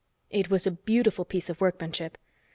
It was a beautiful piece of workmanship.